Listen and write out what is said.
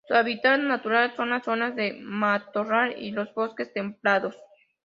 Su hábitat natural son las zonas de matorral y los bosques templados.